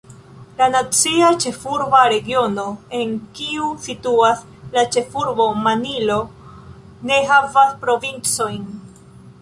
La Nacia Ĉefurba Regiono, en kiu situas la ĉefurbo Manilo, ne havas provincojn.